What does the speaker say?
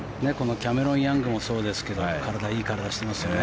キャメロン・ヤングもそうですけどいい体してますよね。